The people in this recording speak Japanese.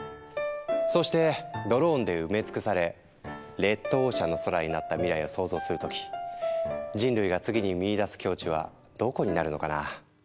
そうしてドローンで埋め尽くされレッドオーシャンの空になった未来を想像する時人類が次に見いだす境地はどこになるのかな。